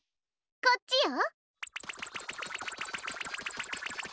こっちよ。